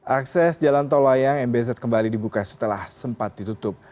akses jalan tol layang mbz kembali dibuka setelah sempat ditutup